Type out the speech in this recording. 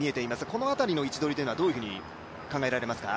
この辺りの位置取りというのはどういうふうに考えられますか？